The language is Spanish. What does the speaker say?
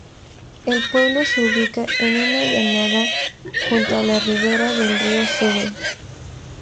El pueblo se ubica en una llanada junto a la ribera del río Segre.